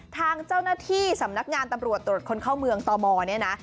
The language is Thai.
ทางเจ้าหน้าที่สำนักงานตำรวจตรวจคนเข้าเมืองตมเนี่ยนะ